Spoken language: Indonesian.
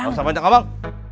nggak usah pancak omong